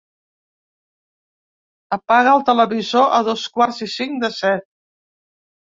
Apaga el televisor a dos quarts i cinc de set.